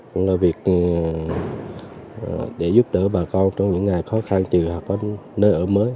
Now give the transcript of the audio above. cũng là việc để giúp đỡ bà con trong những ngày khó khăn trừ họ có nơi ở mới